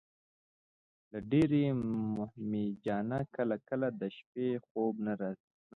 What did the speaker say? له ډېر هیجانه کله کله د شپې خوب نه راتللو.